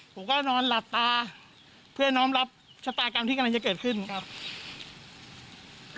ผมก็นอนหลับตาเพื่อน้องรับชะตากรรมที่กำลังจะเกิดขึ้นครับ